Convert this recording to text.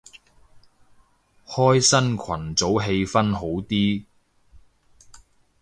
開新群組氣氛好啲